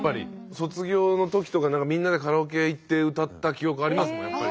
卒業の時とかみんなでカラオケ屋行って歌った記憶ありますもんやっぱり。